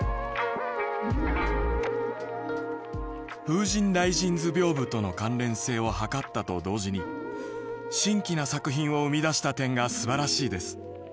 「『風神雷神図屏風』との関連性をはかったと同時に新規な作品を生み出した点がすばらしいです。